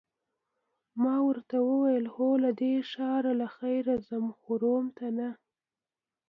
ما ورته وویل: هو، له دې ښاره له خیره ځم، خو روم ته نه.